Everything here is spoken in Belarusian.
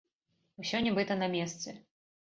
Усё нібыта на месцы.